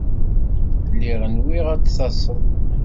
Lliɣ nwiɣ ad d-taseḍ.